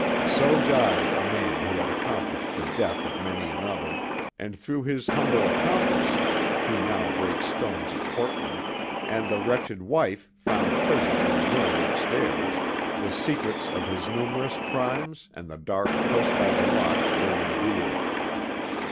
So died a man who had accomplished the death of many another, and through his humble accomplice (who now breaks stones at Portland), and the wretched wife found prisoned in a room upstairs, the secrets of his numerous crimes and the dark House by the Lock were revealed.